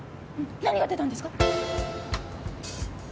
何が出たんですか？